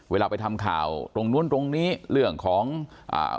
เวลาไปทำข่าวตรงนู้นตรงนี้เรื่องของอ่า